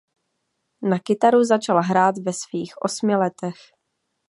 Na kytaru začal hrát ve svých osmi letech.